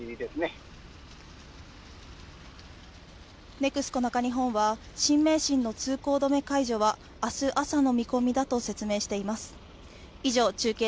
ＮＥＸＣＯ中日本は、新名神の通行止め解除は明日、朝の見込みだと説明しています。